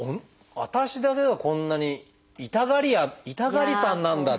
私だけがこんなに痛がり屋痛がりさんなんだって。